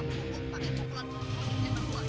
biar tetap rawat